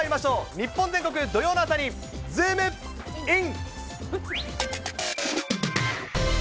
日本全国土曜の朝にズームイン！！